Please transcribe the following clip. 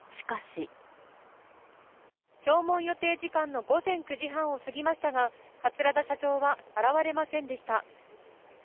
聴聞予定時間の午前９時半を過ぎましたが桂田社長は現れませんでした。